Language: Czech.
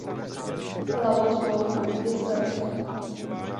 Hlavou spolku je starosta.